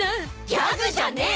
ギャグじゃねえ！